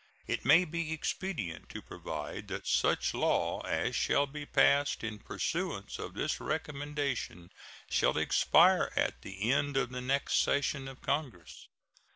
It may be expedient to provide that such law as shall be passed in pursuance of this recommendation shall expire at the end of the next session of Congress.